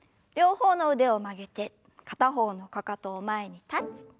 両方の腕を曲げて片方のかかとを前にタッチ。